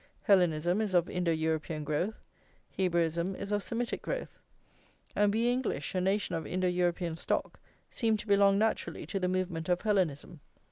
Hellenism is of Indo European growth, Hebraism is of Semitic growth; and we English, a nation of Indo European stock, seem to belong naturally to the movement of Hellenism.